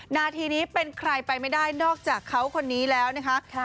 นาทีนี้เป็นใครไปไม่ได้นอกจากเขาคนนี้แล้วนะคะ